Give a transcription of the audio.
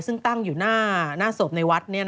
ซึ่งตั้งอยู่หน้าศพในวัด